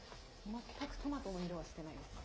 全くトマトの色はしてないですね。